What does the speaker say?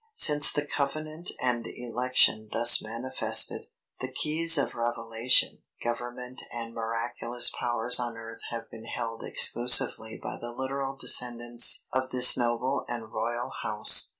Since the covenant and election thus manifested, the keys of revelation, government and miraculous powers on earth have been held exclusively by the literal descendants of this noble and royal house.